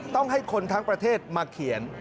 ต้องให้คนทั้งประเทศมาเขียน